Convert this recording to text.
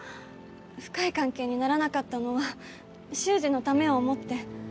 深い関係にならなかったのは衆二のためを思って。